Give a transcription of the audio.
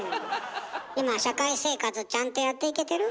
今社会生活ちゃんとやっていけてる？